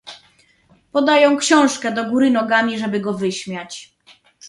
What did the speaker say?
"Podają książkę do góry nogami, żeby go wyśmiać."